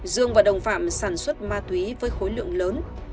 dương và đồng phạm sản xuất ma túy với khối lượng lớn